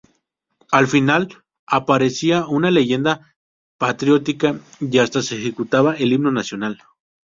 Al final aparecía una leyenda patriótica y hasta se ejecutaba el himno nacional.